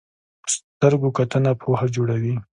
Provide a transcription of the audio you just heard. په سترګو کتنه پوهه جوړوي